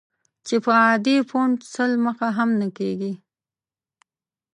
چې په عادي فونټ سل مخه هم نه کېږي.